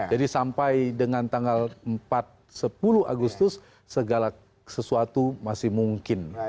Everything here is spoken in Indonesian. jadi sampai dengan tanggal empat sepuluh agustus segala sesuatu masih mungkin